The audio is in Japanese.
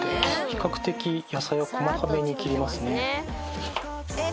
比較的野菜は細かめに切りますね。